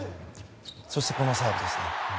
そして、このサーブですね。